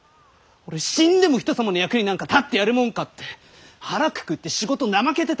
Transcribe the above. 死んでも人様の役になんか立ってやるもんか！って腹くくって仕事怠けてたわけ。